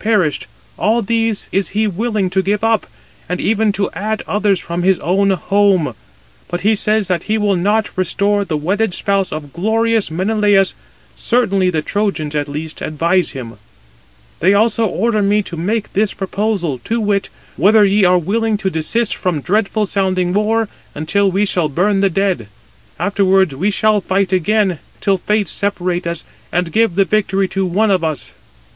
"Whatever treasures Alexander brought in the hollow ships to Troy, (would that he first had perished,) all these is he willing to give up, and even to add others from his own home: but he says that he will not restore the wedded spouse of glorious Menelaus: certainly the Trojans, at least, advise him. They also order me to make this proposal, to wit, whether ye are willing to desist from dreadful sounding war, until we shall burn the dead: afterwards we shall fight again, till fate separate us, and give the victory to one of us."